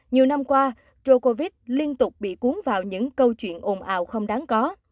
nhiều năm qua rocovite liên tục bị cuốn vào những câu chuyện ồn ào không đáng có